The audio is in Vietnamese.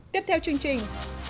tiếp theo chương trình